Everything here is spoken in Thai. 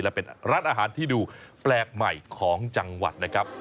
และเป็นร้านอาหารที่ดูแปลกใหม่ของจังหวัดนะครับ